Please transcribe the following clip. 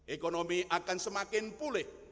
ekonomi akan semakin pulih